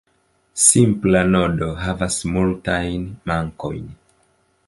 Simpla nodo havas multajn mankojn.